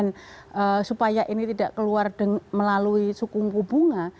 nah cuman soalannya ketika kita menahan supaya ini tidak keluar dan melalui suku bunga itu juga menggarami lautan